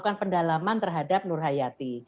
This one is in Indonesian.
ini adalah pendalaman terhadap nur hayati